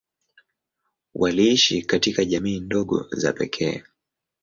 Waliishi katika jamii ndogo za pekee.